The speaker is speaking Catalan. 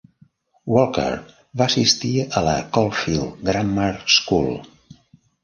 Walker va assistir a la Caulfield Grammar School.